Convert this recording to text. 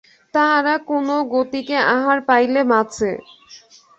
তাহারা কোনো গতিকে আহার পাইলে বাঁচে।